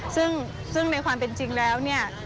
ซึ่งในความเป็นจริงแล้ว